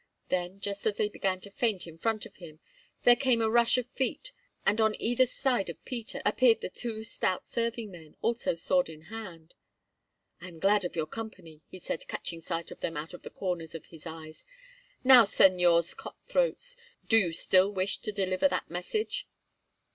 Then, just as they began to feint in front of him, there came a rush of feet, and on either side of Peter appeared the two stout serving men, also sword in hand. "I am glad of your company," he said, catching sight of them out of the corners of his eyes. "Now, Señors Cut throats, do you still wish to deliver that message?"